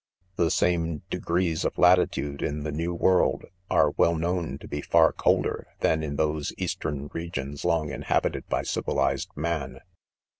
The same degrees of latitude in the New World, are well known .to be far colder than in those eastern regions long inhabited by civilized man.